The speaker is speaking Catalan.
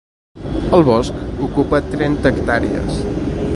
El bosc ocupa trenta hectàrees.